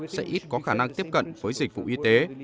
sẽ ít có khả năng tiếp cận với dịch vụ y tế